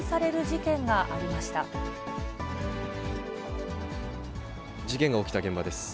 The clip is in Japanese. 事件が起きた現場です。